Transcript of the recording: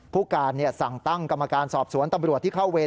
ผู้การสั่งตั้งกรรมการสอบสวนตำรวจที่เข้าเวร